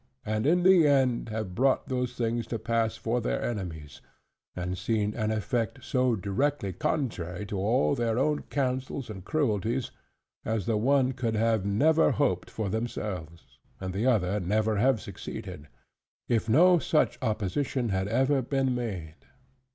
and in the end have brought those things to pass for their enemies, and seen an effect so directly contrary to all their own counsels and cruelties; as the one could never have hoped for themselves; and the other never have succeeded; if no such opposition had ever been made.